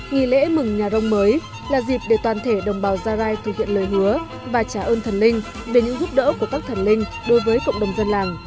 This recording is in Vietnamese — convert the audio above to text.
nghỉ lễ mừng nhà rông mới là dịp để toàn thể đồng bào gia rai thực hiện lời hứa và trả ơn thần linh về những giúp đỡ của các thần linh đối với cộng đồng dân làng